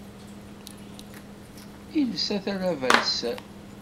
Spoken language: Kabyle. Ilsa talaba n sser.